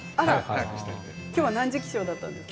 きょうは何時起床だったんですか。